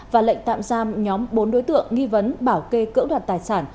và lệnh tạm giam nhóm bốn đối tượng nghi vấn bảo kê cỡ đoạt tài sản